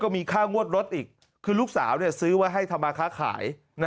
ก็มีค่างวดรถอีกคือลูกสาวเนี่ยซื้อไว้ให้ธรรมค้าขายนะ